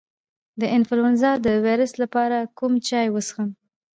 د انفلونزا د ویروس لپاره کوم چای وڅښم؟